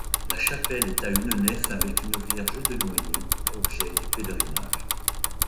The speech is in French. La chapelle est à une nef avec une Vierge de noyer, objet du pèlerinage.